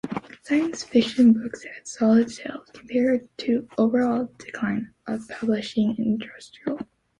Science fiction books had solid sales compared to the overall decline of publishing industry.